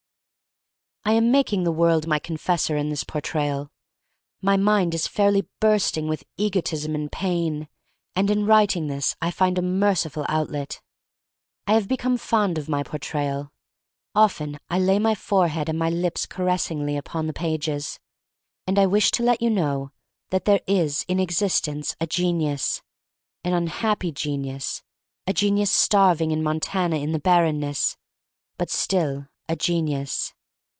I AM making the world my confessor in this Portrayal. My mind is fairly bursting with egotism and pain, and in writing this I find a merci ful outlet. I have become fond of my Portrayal. Often I lay my forehead and my lips caressingly upon the pages. And I wish to let you know that there is in existence a genius — an un happy genius, a genius starving in Mon tana in the barrenness — but still a genius.